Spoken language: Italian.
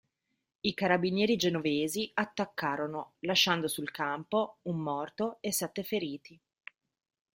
I Carabinieri genovesi attaccarono lasciando sul campo un morto e sette feriti.